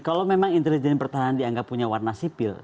kalau memang intelijen pertahanan dianggap punya warna sipil